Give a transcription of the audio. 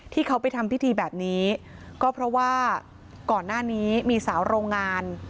ที่เขาไปทำพิธีแบบนี้ก็เพราะว่าก่อนหน้านี้มีสาวโรงงาน